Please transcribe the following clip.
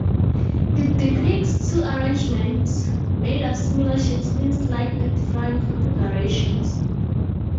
It depicts two arrangements made of similar shapes in slightly different configurations.